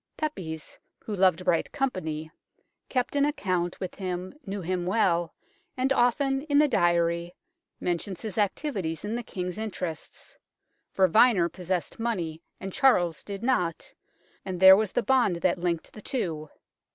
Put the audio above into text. Pepys, who loved bright company, kept an account with him, knew him well, and often in the Diary mentions his activities in the King's interests. For Vyner possessed money and Charles did not, and there was the bond that linked the two.